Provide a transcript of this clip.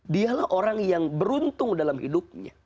dialah orang yang beruntung dalam hidupnya